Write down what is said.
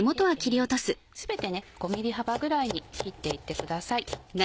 全て５ｍｍ幅ぐらいに切っていってください。